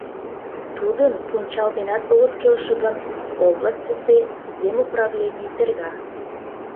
Тудын пунчал денат огыт келше гын, областьысе земуправлений терга.